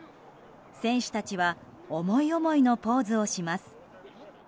選手たちは思い思いのポーズをします。